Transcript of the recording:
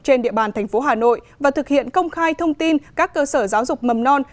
trên địa bàn thành phố hà nội và thực hiện công khai thông tin các cơ sở giáo dục mầm non